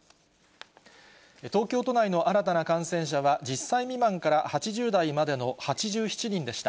東京都内の新たな感染者は１０歳未満から８０代までの８７人でした。